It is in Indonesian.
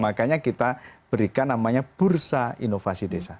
makanya kita berikan namanya bursa inovasi desa